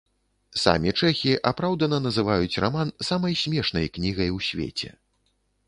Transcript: Самі чэхі апраўдана называюць раман самай смешнай кнігай у свеце.